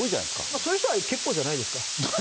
そういう人は結構じゃないですか。